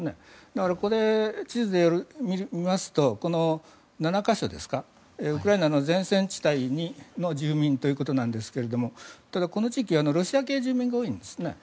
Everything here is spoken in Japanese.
だからこれ、地図で見ますとこの７か所、ウクライナの前線地帯の住民ということですがただ、この地域ロシア系住民が多いんですね。